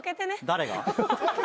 誰が？